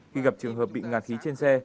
khi gặp trường hợp bị ngạt khí trên xe